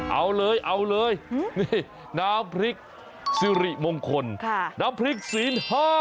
เอาเลยเอาเลยนี่น้ำพริกสิริมงคลน้ำพริกศีล๕